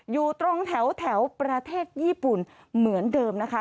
อยู่ตรงแถวประเทศญี่ปุ่นเหมือนเดิมนะคะ